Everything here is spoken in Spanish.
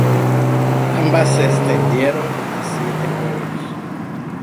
Ambas se extendieron a siete juegos.